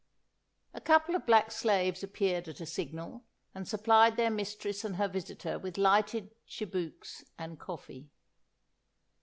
A couple of black slaves appeared at a signal, and supplied their mistress and her visitor with lighted tchibouques and coffee.